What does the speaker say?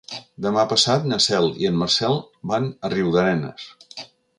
Demà passat na Cel i en Marcel van a Riudarenes.